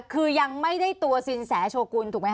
คือยังไม่ได้ตัวสินแสโชกุลถูกไหมค